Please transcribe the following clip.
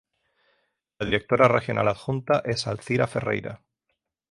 La Directora Regional Adjunta es Alzira Ferreira.